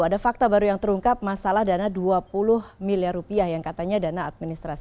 ada fakta baru yang terungkap masalah dana dua puluh miliar rupiah yang katanya dana administrasi